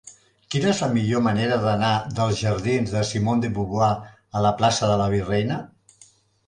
Quina és la millor manera d'anar dels jardins de Simone de Beauvoir a la plaça de la Virreina?